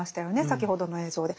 先ほどの映像で。